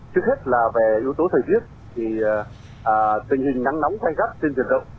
trước hết là về yếu tố thời tiết thì tình hình nắng nóng thay gắt trên rừng rộng